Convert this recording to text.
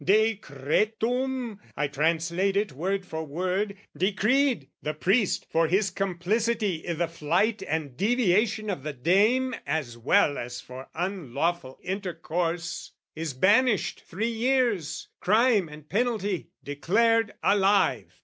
"Decretum" I translate it word for word "'Decreed: the priest, for his complicity "'I' the flight and deviation of the dame, "'As well as for unlawful intercourse, "'Is banished three years:' crime and penalty, "Declared alive.